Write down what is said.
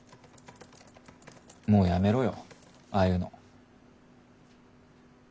もうやめろよああいうの。